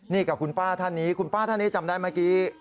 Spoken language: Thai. นี่กับคุณป้าท่านนี้คุณป้าท่านนี้จำได้เมื่อกี้